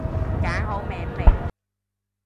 揀好名未？